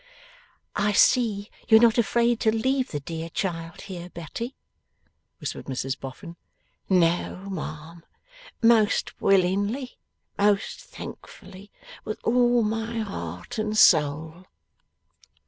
'I see you are not afraid to leave the dear child here, Betty,' whispered Mrs Boffin. 'No, ma'am. Most willingly, most thankfully, with all my heart and soul.